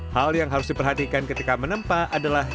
hal yang harus diperhatikan ketika menempa adalah